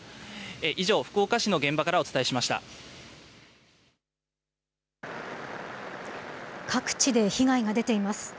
以上、福岡市の現場からお伝えし各地で被害が出ています。